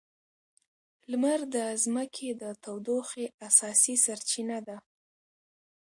لمر د ځمکې د تودوخې اساسي سرچینه ده.